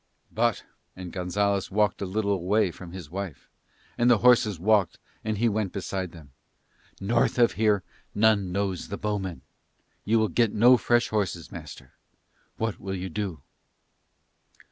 "But," and Gonzalez walked a little away from his wife, and the horses walked and he went beside them, "north of here none knows the bowmen. You will get no fresh horses, master. What will you do?"